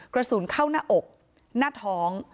กระสุนเข้าหน้าอกหน้าท้อง